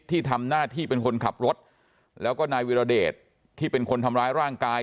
ที่ทำหน้าที่เป็นคนขับรถแล้วก็นายวิรเดชที่เป็นคนทำร้ายร่างกาย